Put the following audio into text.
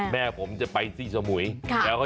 มันจะไปซี่สมุโย